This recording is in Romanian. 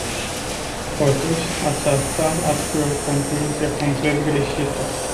Totuși, aceasta ar fi o concluzie complet greșită.